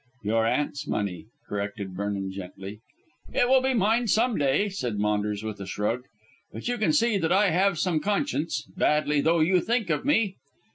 "Your aunt's money," corrected Vernon gently. "It will be mine some day," said Maunders with a shrug; "but you can see that I have some conscience, badly though you think of me."